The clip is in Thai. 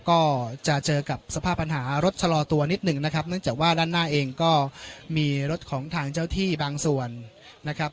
ก็จะเจอกับสภาพปัญหารถชะลอตัวนิดหนึ่งนะครับเนื่องจากว่าด้านหน้าเองก็มีรถของทางเจ้าที่บางส่วนนะครับ